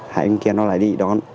hai anh kia nó lại đi đón